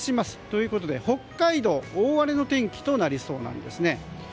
ということで、北海道大荒れの天気となりそうです。